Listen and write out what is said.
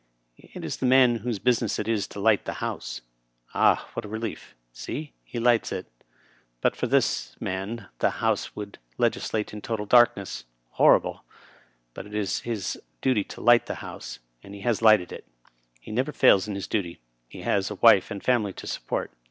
^^It is the man whose business it is to light the House.'' Ah 1 what a relief. Seel He lights it. Digitized by VjOOQIC BILET, M. P, 177 But for this man the House would legislate in total darkness. Horrible 1 But it is his duty to light the House, and he has lighted it. He never f aik in his duty. He has a wife and family to support.